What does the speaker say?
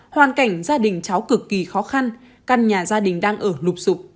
hoàn cảnh gia đình cháu cực kỳ khó khăn căn nhà gia đình đang ở nục sụp